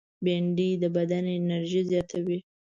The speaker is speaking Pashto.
بېنډۍ د بدن انرژي زیاتوي